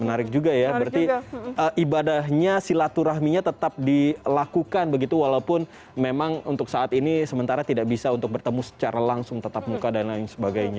menarik juga ya berarti ibadahnya silaturahminya tetap dilakukan begitu walaupun memang untuk saat ini sementara tidak bisa untuk bertemu secara langsung tetap muka dan lain sebagainya